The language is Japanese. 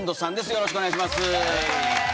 よろしくお願いします。